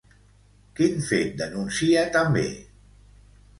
Quin fet denuncia també?